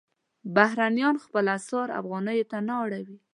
بهرنیان خپل اسعار افغانیو ته نه اړوي.